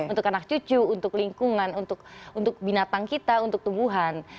untuk anak cucu untuk lingkungan untuk binatang kita untuk tumbuhan